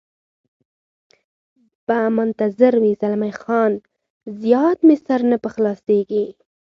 به منتظر وي، زلمی خان: زیات مې سر نه په خلاصېږي.